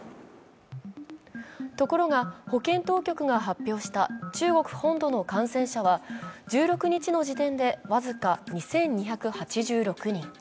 ところが保健当局が発表した中国本土の感染者は１６日の時点で僅か２２８６人。